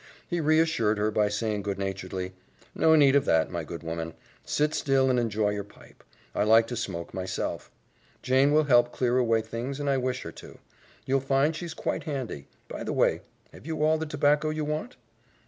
He reassured her by saying good naturedly, "No need of that, my good woman. Sit still and enjoy your pipe. I like to smoke myself. Jane will help clear away things and I wish her to. You'll find she's quite handy. By the way, have you all the tobacco you want?"